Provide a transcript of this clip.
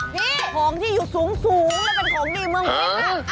พี่ของที่อยู่สูงแล้วเป็นของดีเมืองเพชรค่ะ